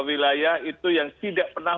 wilayah itu yang tidak pernah